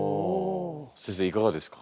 先生いかがですか？